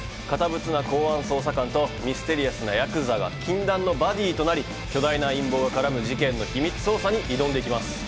堅物な公安捜査官とミステリアスなヤクザが禁断のバディとなり、巨大な陰謀が絡む事件の秘密捜査に挑んでいきます。